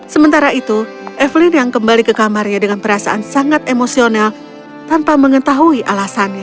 sementara itu evelyn yang kembali ke kamarnya dengan perasaan sangat emosional tanpa mengetahui alasannya